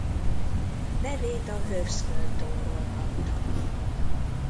Nevét a Hövszgöl-tóról kapta.